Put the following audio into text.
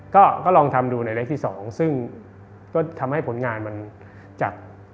ก็ลองทำดูในเล็กที่๒ซึ่งก็ทำให้ผลงานมันจัด